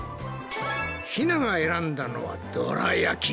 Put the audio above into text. ひなが選んだのはどら焼き。